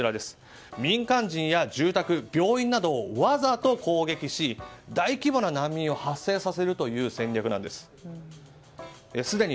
民間人や住宅、病院などをわざと攻撃し大規模な難民を発生させるという戦略なんです。